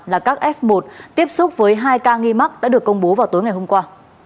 là các f một tiếp xúc với hai ca nghi mắc đã được công bố vào tối ngày hôm qua